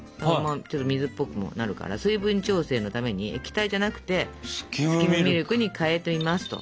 ちょっと水っぽくもなるから水分調整のために液体じゃなくてスキムミルクに代えていますと。